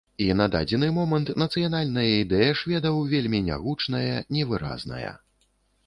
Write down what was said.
І на дадзены момант нацыянальная ідэя шведаў вельмі нягучная, невыразная.